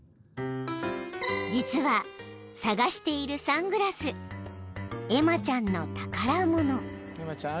［実は捜しているサングラスエマちゃんの宝物］